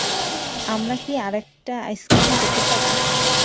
আমরা কি আরেকটা আইসক্রিম পেতে পারি?